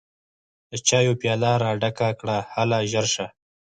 د چايو پياله راډکه کړه هله ژر شه!